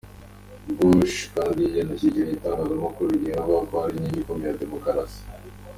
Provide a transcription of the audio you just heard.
Bush kandi yanashyigikiye itangazamakuru ryigenga avuga ko ari inkingi ikomeye ya demokarasi.